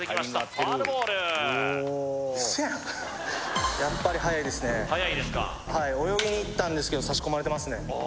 ファウルボール速いですかはい泳ぎにいったんですけど差し込まれてますねあ